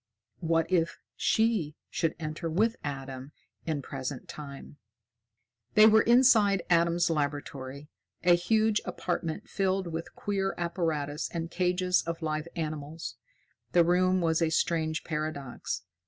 What if she should enter with Adam in Present Time? They were inside Adam's laboratory, a huge apartment filled with queer apparatus and cages of live animals. The room was a strange paradox.